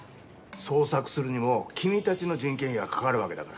捜索するにも君たちの人件費がかかるわけだから。